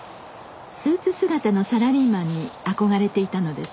スーツ姿のサラリーマンに憧れていたのです。